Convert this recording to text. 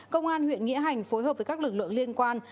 công an huyện nghĩa hành phối hợp với các lực lượng liên quan